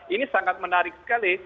ini sangat menarik sekali